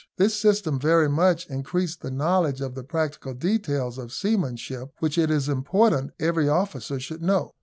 This system very much increased the knowledge of the practical details of seamanship, which it is important every officer should know.